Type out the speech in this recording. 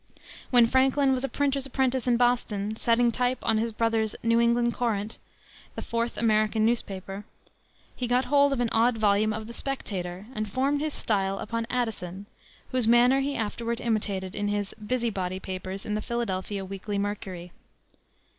When Franklin was a printer's apprentice in Boston, setting type on his brother's New England Courant, the fourth American newspaper, he got hold of an odd volume of the Spectator, and formed his style upon Addison, whose manner he afterward imitated in his Busy Body papers in the Philadelphia Weekly Mercury.